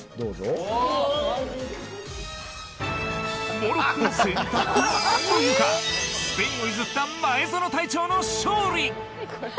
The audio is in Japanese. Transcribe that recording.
モロッコを選択というかスペインを譲った前園隊長の勝利。